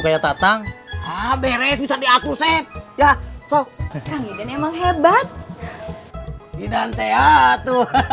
ya kan beres bisa diatur sep ya sop emang hebat